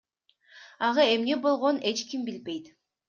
Ага эмне болгонун эч ким билбейт.